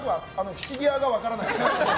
引き際が分からないって。